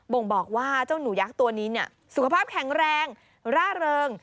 ่งบอกว่าเจ้าหนูยักษ์ตัวนี้สุขภาพแข็งแรงร่าเริง